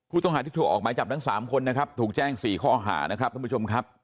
ผู้ต้องหาที่ถูกออกหมายจับทั้ง๓คนนะครับถูกแจ้ง๔ข้อหานะครับท่านผู้ชมครับ